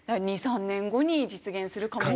２３年後に実現するかも。